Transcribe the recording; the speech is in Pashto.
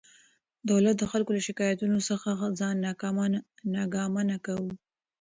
دولت د خلکو له شکایتونو څخه ځان ناګمانه کاوه.